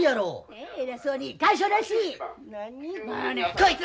こいつ！